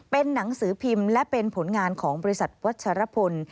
เป็นหนังสือพิมพ์และเป็นผลงานของบริษัทวัชรพล